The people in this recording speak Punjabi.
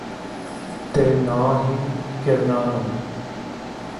ਤੇ ਨਾ ਹੀ ਕਿਰਨਾਂ ਨੂੰ